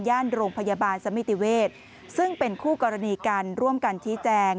โรงพยาบาลสมิติเวศซึ่งเป็นคู่กรณีกันร่วมกันชี้แจง